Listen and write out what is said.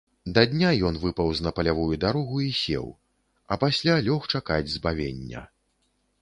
Да дня ён выпаўз на палявую дарогу і сеў, а пасля лёг чакаць збавення.